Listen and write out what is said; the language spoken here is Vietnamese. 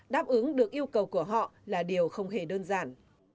đáp ứng được yêu cầu của họ là điều không hề đơn giản